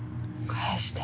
返して。